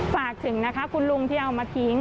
ฝากถึงนะคะคุณลุงที่เอามาทิ้ง